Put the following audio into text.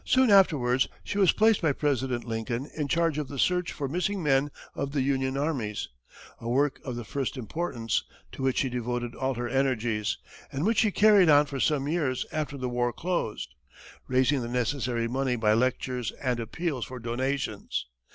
Soon afterwards she was placed by President Lincoln in charge of the search for missing men of the Union armies a work of the first importance, to which she devoted all her energies, and which she carried on for some years after the war closed, raising the necessary money by lectures and appeals for donations.